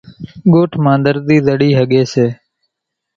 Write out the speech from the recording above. ڳوٺ مان ۮرزِي زڙِي ۿڳيَ سي۔